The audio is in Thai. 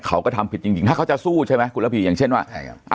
เขาก็ทำผิดจริงจริงถ้าเขาจะสู้ใช่ไหมคุณระพีอย่างเช่นว่า